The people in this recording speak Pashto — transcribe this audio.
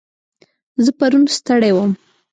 زه پرون ستړی وم.